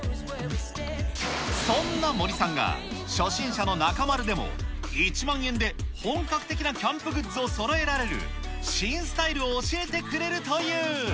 そんな森さんが初心者の中丸でも１万円で本格的なキャンプグッズをそろえられる新スタイルを教えてくれるという。